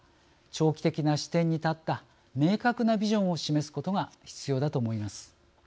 長期的な視点に立った明確なビジョンを示すことが必要だと思います。